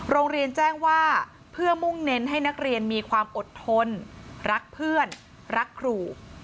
โรงเรียนแจ้งว่าเพื่อมุ่งเน้นให้นักเรียนมีความอดทนรักเพื่อนรักครู